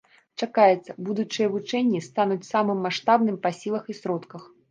Чакаецца, будучыя вучэнні стануць самым маштабным па сілах і сродках.